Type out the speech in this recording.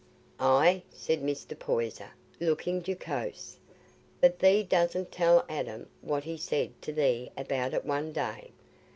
"Aye," said Mr. Poyser, looking jocose; "but thee dostna tell Adam what he said to thee about it one day.